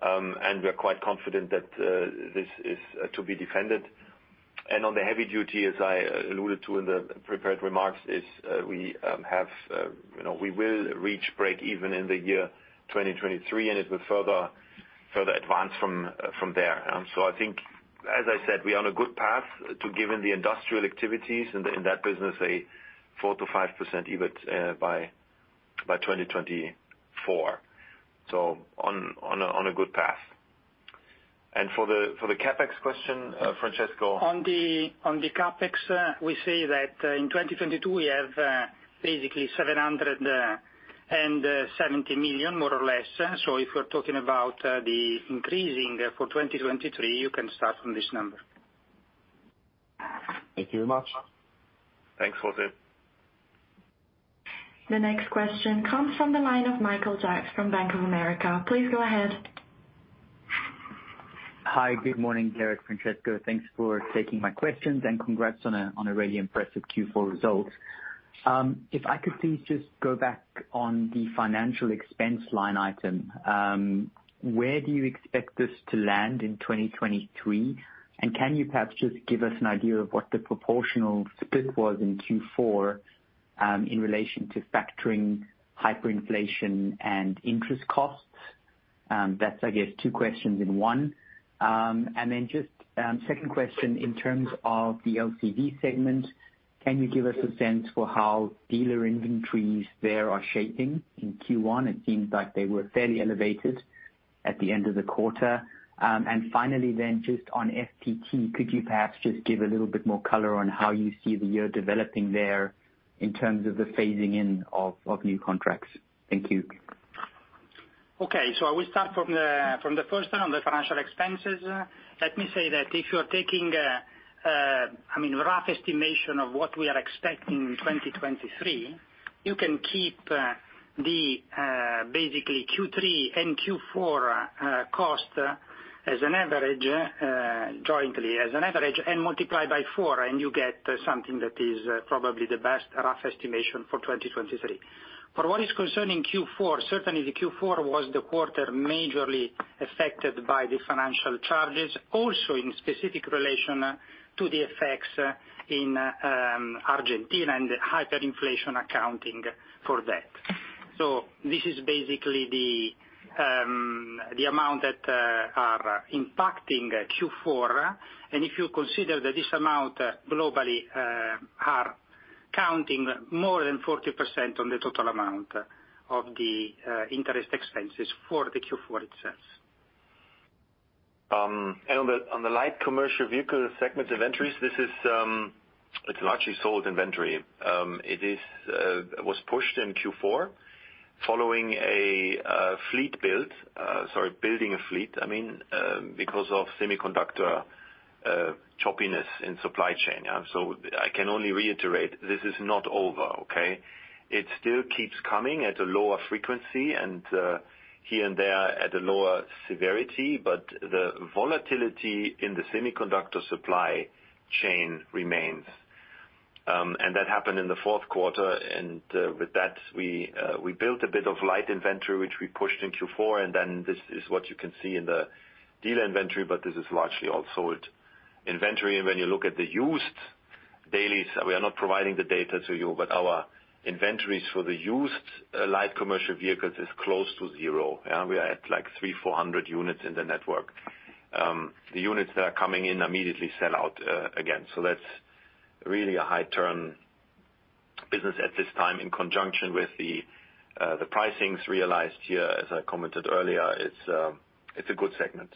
and we are quite confident that this is to be defended. On the Heavy-Duty, as I alluded to in the prepared remarks, is, we have, you know, we will reach break even in the year 2023, and it will further advance from there. I think, as I said, we are on a good path to giving the industrial activities in that business a 4%-5% EBIT, by 2024. On a good path. For the CapEx question, Francesco. On the CapEx, we say that in 2022 we have, basically 770 million, more or less. If we're talking about the increasing for 2023, you can start from this number. Thank you very much. Thanks, Jose. The next question comes from the line of Michael Jacks from Bank of America. Please go ahead. Hi. Good morning, Gerrit, Francesco. Thanks for taking my questions, and congrats on a, on a really impressive Q4 result. If I could please just go back on the financial expense line item. Where do you expect this to land in 2023? Can you perhaps just give us an idea of what the proportional split was in Q4, in relation to factoring hyperinflation and interest costs? That's, I guess two questions in one. Then just, second question, in terms of the LCV segment, can you give us a sense for how dealer inventories there are shaping in Q1? It seems like they were fairly elevated at the end of the quarter. Finally then just on FPT, could you perhaps just give a little bit more color on how you see the year developing there in terms of the phasing in of new contracts? Thank you. Okay. I will start from the first one on the financial expenses. Let me say that if you are taking, I mean, rough estimation of what we are expecting in 2023, you can keep basically Q3 and Q4 cost as an average, jointly as an average and multiply by four, and you get something that is probably the best rough estimation for 2023. What is concerning Q4, certainly the Q4 was the quarter majorly affected by the financial charges, also in specific relation to the effects in Argentina and the hyperinflation accounting for that. This is basically the amount that are impacting Q4. If you consider that this amount globally are counting more than 40% on the total amount of the interest expenses for the Q4 itself. On the Light commercial vehicle segments inventories, this is largely sold inventory. It was pushed in Q4 following a fleet build, sorry, building a fleet, I mean, because of semiconductor choppiness in supply chain. I can only reiterate, this is not over, okay? It still keeps coming at a lower frequency and here and there at a lower severity, but the volatility in the semiconductor supply chain remains. That happened in the fourth quarter. With that, we built a bit of Light inventory, which we pushed in Q4, and then this is what you can see in the dealer inventory, but this is largely all sold inventory. When you look at the used Daily, we are not providing the data to you, but our inventories for the used Light commercial vehicles is close to zero. We are at like 300 unit-400 units in the network. The units that are coming in immediately sell out again. That's really a high turn business at this time in conjunction with the pricings realized here. As I commented earlier, it's a good segment.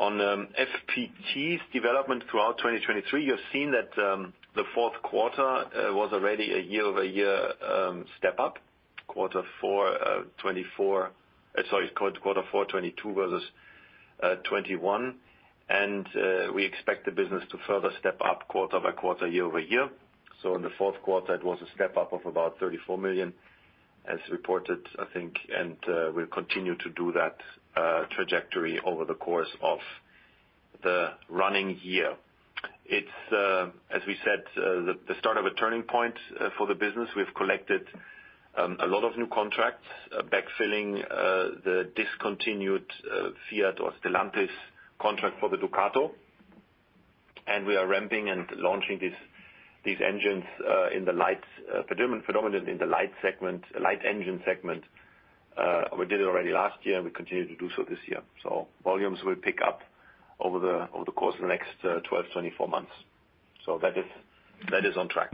FPT's development throughout 2023, you have seen that the fourth quarter was already a year-over-year step-up, Q4 2024. Sorry, Q4 2022 versus 2021. We expect the business to further step up quarter-over-quarter, year-over-year. In the fourth quarter, it was a step-up of about 34 million, as reported, I think. We'll continue to do that trajectory over the course of the running year. It's as we said, the start of a turning point for the business. We've collected a lot of new contracts, backfilling the discontinued Fiat or Stellantis contract for the Ducato. We are ramping and launching these engines predominantly in the Light segment, Light engine segment. We did it already last year, we continue to do so this year. Volumes will pick up over the course of the next 12-24 months. That is on track.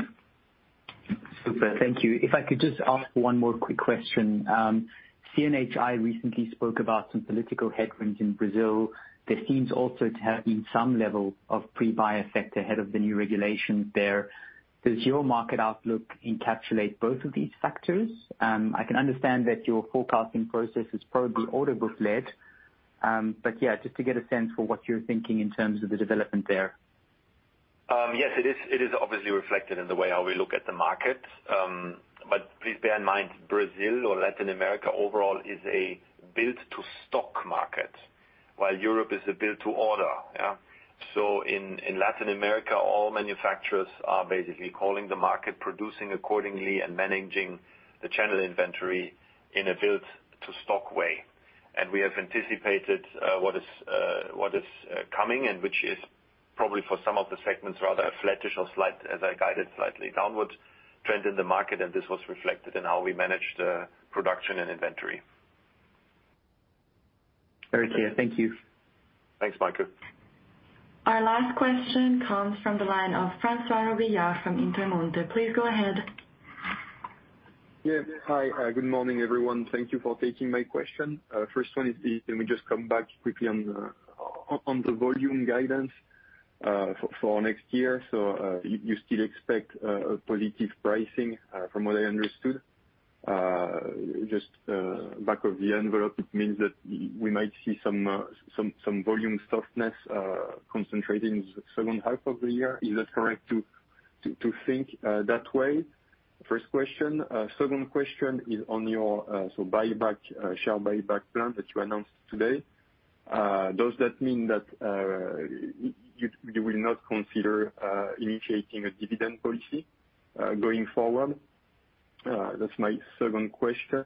Super. Thank you. If I could just ask one more quick question. CNHI recently spoke about some political headwinds in Brazil. There seems also to have been some level of pre-buy effect ahead of the new regulations there. Does your market outlook encapsulate both of these factors? I can understand that your forecasting process is probably order book-led. Yeah, just to get a sense for what you're thinking in terms of the development there. Yes, it is obviously reflected in the way how we look at the market. Please bear in mind, Brazil or Latin America overall is a build-to-stock market, while Europe is a build-to-order. Yeah. In Latin America, all manufacturers are basically calling the market, producing accordingly, and managing the channel inventory in a build-to-stock way. We have anticipated what is coming and which is probably for some of the segments, rather a flattish or slight, as I guided, slightly downward trend in the market, and this was reflected in how we manage the production and inventory. Very clear. Thank you. Thanks, Michael. Our last question comes from the line of Francois Robillard from Intermonte. Please go ahead. Yes. Hi. Good morning, everyone. Thank you for taking my question. First one is, can we just come back quickly on the volume guidance for next year? You still expect a positive pricing from what I understood. Just back of the envelope, it means that we might see some volume softness concentrated in the second half of the year. Is that correct to think that way? First question. Second question is on your share buyback plan that you announced today. Does that mean that you will not consider initiating a dividend policy going forward? That's my second question.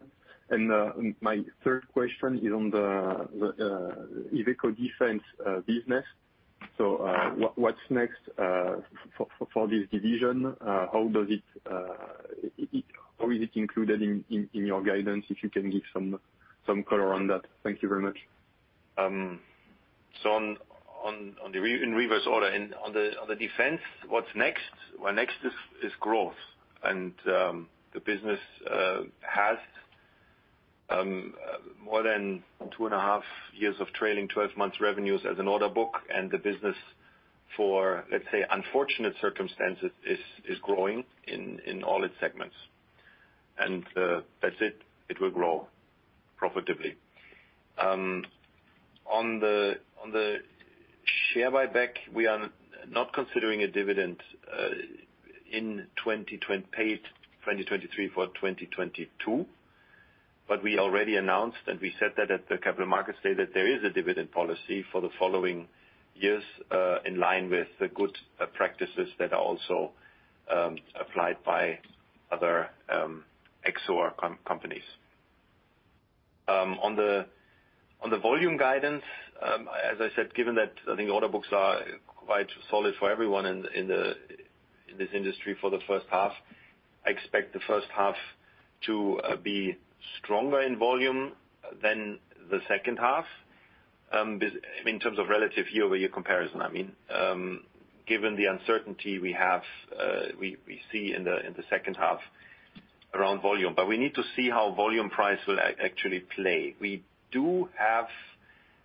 My third question is on the Iveco Defense business. What's next for this division? How does it, how is it included in your guidance, if you can give some color on that? Thank you very much. On the Defense, what's next? Next is growth. The business has more than 2.5 years of trailing 12 months revenues as an order book. The business for, let's say, unfortunate circumstances is growing in all its segments. That's it. It will grow profitably. On the share buyback, we are not considering a dividend paid 2023 for 2022, but we already announced, and we said that at the Capital Markets Day, that there is a dividend policy for the following years in line with the good practices that are also applied by other Exor companies. On the volume guidance, as I said, given that I think order books are quite solid for everyone in this industry for the first half, I expect the first half to be stronger in volume than the second half. I mean, in terms of relative year-over-year comparison, I mean. Given the uncertainty we see in the second half around volume. We need to see how volume price will actually play. We do have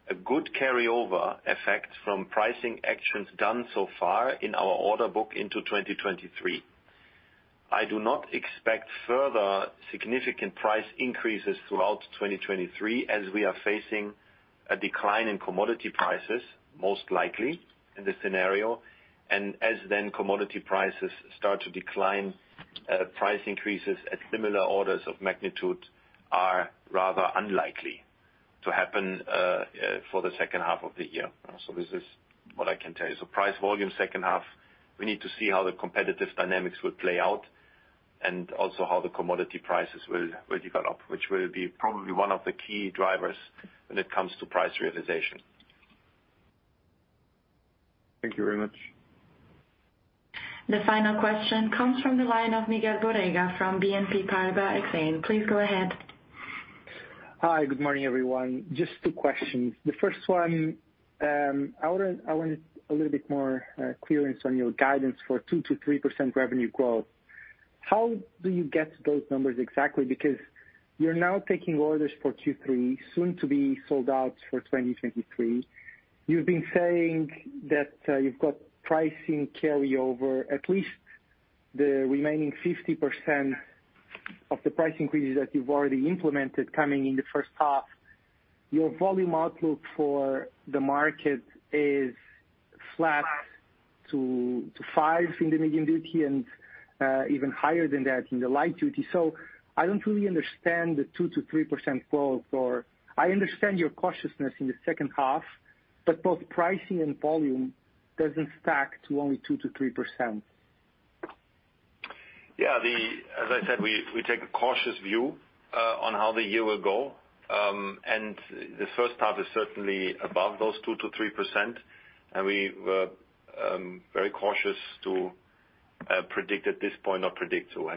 a good carryover effect from pricing actions done so far in our order book into 2023. I do not expect further significant price increases throughout 2023, as we are facing a decline in commodity prices, most likely in this scenario. As then commodity prices start to decline, price increases at similar orders of magnitude are rather unlikely to happen for the second half of the year. This is what I can tell you. Price volume second half, we need to see how the competitive dynamics will play out and also how the commodity prices will develop, which will be probably one of the key drivers when it comes to price realization. Thank you very much. The final question comes from the line of Miguel Borrega from BNP Paribas Exane. Please go ahead. Hi, good morning, everyone. Just two questions. The first one, I wanted a little bit more clearance on your guidance for 2%-3% revenue growth. How do you get those numbers exactly? Because you're now taking orders for Q3, soon to be sold out for 2023. You've been saying that you've got pricing carryover, at least the remaining 50% of the price increases that you've already implemented coming in the first half. Your volume outlook for the market is flat to 5 in the Medium-Duty and even higher than that in the Light-Duty. I don't really understand the 2%-3% growth. I understand your cautiousness in the second half, but both pricing and volume doesn't stack to only 2%-3%. As I said, we take a cautious view on how the year will go. The first half is certainly above those 2%-3%. We were very cautious to predict at this point or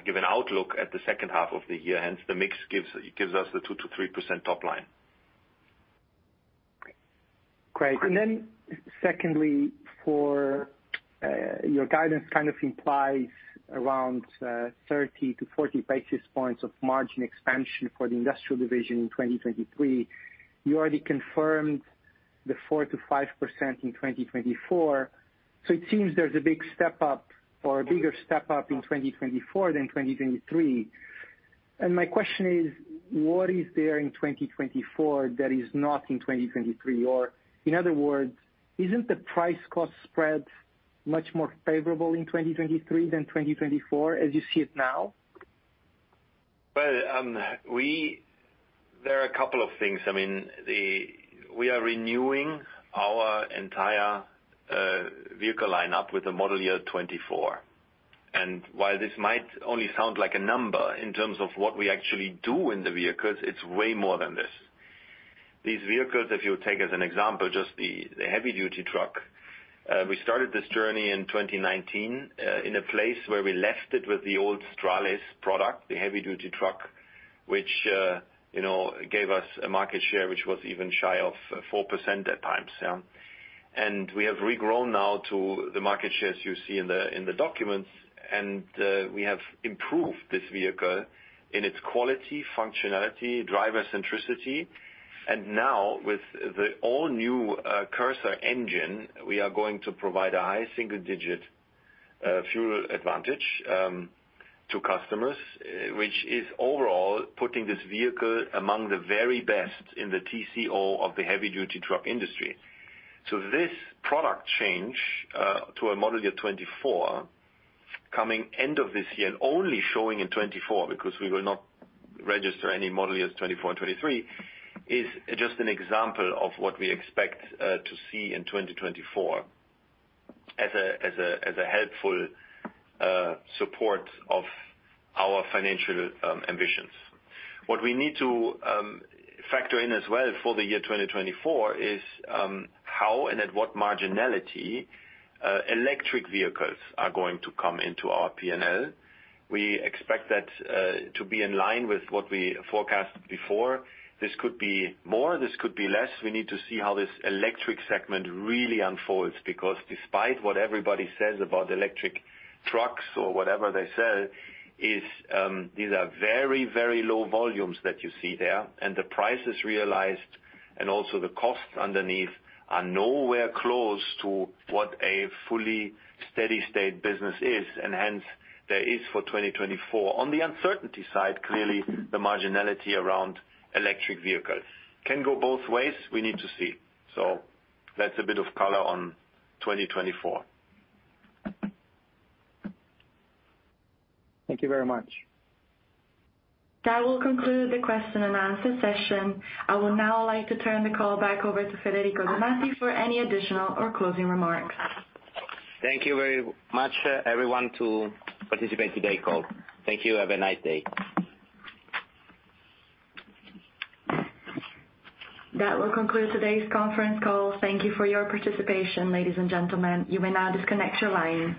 give an outlook at the second half of the year, hence, the mix gives us the 2%-3% top line. Great. Secondly, for your guidance kind of implies around 30 basis points-40 basis points of margin expansion for the industrial division in 2023. You already confirmed the 4%-5% in 2024, so it seems there's a big step up or a bigger step up in 2024 than in 2023. My question is: What is there in 2024 that is not in 2023? Or in other words, isn't the price cost spread much more favorable in 2023 than 2024, as you see it now? Well, I mean, there are a couple of things. We are renewing our entire vehicle lineup with the Model Year 2024. While this might only sound like a number, in terms of what we actually do in the vehicles, it's way more than this. These vehicles, if you take as an example just the Heavy-Duty truck, we started this journey in 2019 in a place where we left it with the old Stralis product, the Heavy-Duty truck, which, you know, gave us a market share which was even shy of 4% at times, yeah. We have regrown now to the market shares you see in the documents, and we have improved this vehicle in its quality, functionality, driver centricity. Now with the all new Cursor engine, we are going to provide a high-single-digit fuel advantage to customers, which is overall putting this vehicle among the very best in the TCO of the Heavy-Duty Truck industry. This product change to a Model Year 2024, coming end of this year and only showing in 2024, because we will not register any Model Year 2024 and 2023, is just an example of what we expect to see in 2024 as a helpful support of our financial ambitions. What we need to factor in as well for the year 2024 is how and at what marginality electric vehicles are going to come into our P&L. We expect that to be in line with what we forecasted before. This could be more, this could be less. We need to see how this electric segment really unfolds, because despite what everybody says about electric trucks or whatever they sell, is, these are very, very low volumes that you see there. The prices realized, and also the costs underneath, are nowhere close to what a fully steady state business is. Hence, there is for 2024, on the uncertainty side, clearly the marginality around electric vehicles. Can go both ways. We need to see. That's a bit of color on 2024. Thank you very much. That will conclude the question and answer session. I would now like to turn the call back over to Federico Donati for any additional or closing remarks. Thank you very much, everyone, to participate today call. Thank you. Have a nice day. That will conclude today's conference call. Thank you for your participation, ladies and gentlemen. You may now disconnect your line.